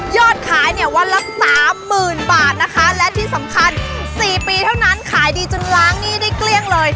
ขายเนี่ยวันละสามหมื่นบาทนะคะและที่สำคัญ๔ปีเท่านั้นขายดีจนล้างหนี้ได้เกลี้ยงเลย